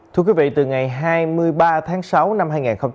thưa quý vị từ ngày hai mươi ba tháng sáu năm hai nghìn hai mươi ba